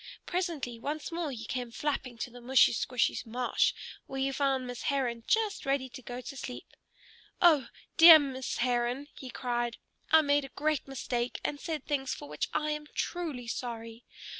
Presently, once more he came flapping to the mushy squshy marsh, where he found Miss Heron just ready to go to sleep. "Oh, dear Miss Heron!" he cried. "I made a great mistake, and said things for which I am truly sorry.